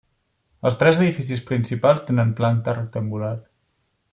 Els tres edificis principals tenen planta rectangular.